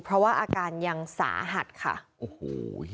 เพราะว่าอาการยังสาหัสค่ะโอ้โห